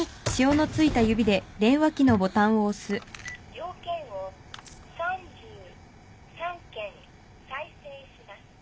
☎用件を３３件再生します